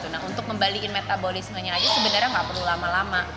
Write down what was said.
nah untuk membalikin metabolismenya aja sebenarnya nggak perlu lama lama